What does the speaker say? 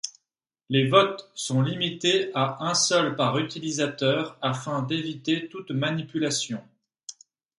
Les votes sont limités à un seul par utilisateur afin d’éviter toute manipulation.